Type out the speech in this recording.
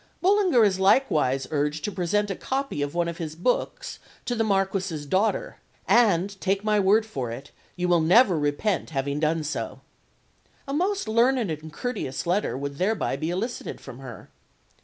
Bullinger is likewise urged to present a copy of one of his books to the Marquis's daughter, "and, take my word for it, you will never repent having done so." A most learned and courteous letter would thereby be elicited from her.